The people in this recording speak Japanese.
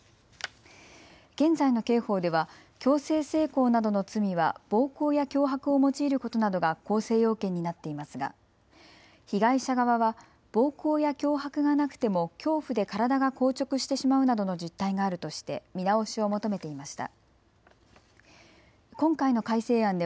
現在の刑法では強制性交などの罪は暴行や脅迫を用いることなどが構成要件になっていますが被害者側は暴行や脅迫がなくても恐怖で体が硬直してしまうなどの実態があるとして見直しを求めていました。